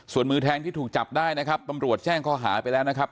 ส่วนมือแทงที่ถูกจับได้นะครับ